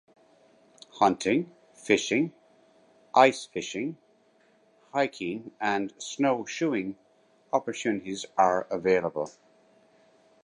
Hunting, fishing, ice fishing, hiking and snowshoeing opportunities are available.